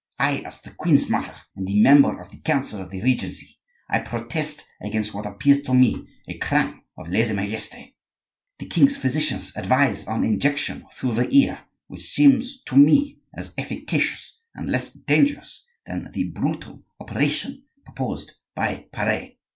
I, as the king's mother and a member of the council of the regency,—I protest against what appears to me a crime of lese majeste. The king's physicians advise an injection through the ear, which seems to me as efficacious and less dangerous than the brutal operation proposed by Pare."